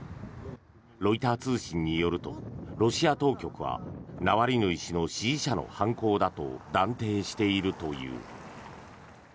ロイター通信によるとロシア当局は、ナワリヌイ氏の支持者の犯行だと断定しているという。